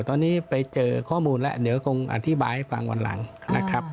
ตอนนี้ไปเจอข้อมูลแล้วเดี๋ยวคงอธิบายให้ฟังวันหลังนะครับ